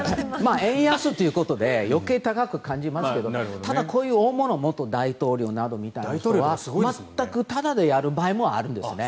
円安ということで余計高く感じますけどただ、こういう大物元大統領みたいな人は全くタダでやる場合もあるんですね。